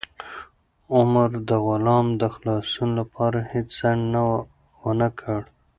عمر د غلام د خلاصون لپاره هیڅ ځنډ ونه کړ.